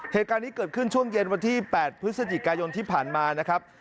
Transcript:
เหตุการณ์นี้เกิดขึ้นช่วงเย็นวันที่๘พฤศจิกายนที่ผ่านมานะครับ